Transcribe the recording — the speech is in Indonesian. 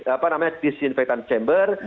apa namanya disinfectant chamber